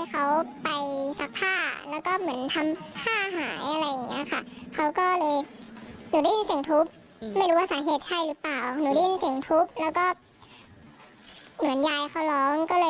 แกบอกว่าโอ๊ยหรือร้องไห้